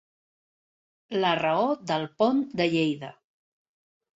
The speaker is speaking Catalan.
La raó del pont de Lleida.